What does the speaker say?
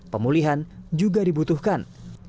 pemulihan juga dibutuhkan